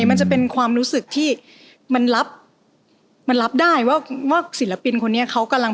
มันจะเป็นความรู้สึกที่มันรับมันรับได้ว่าว่าศิลปินคนนี้เขากำลัง